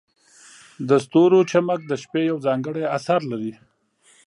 د ستورو چمک د شپې یو ځانګړی اثر لري.